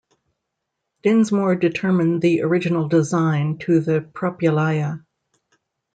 Dinsmoor determined the original design to the Propylaia.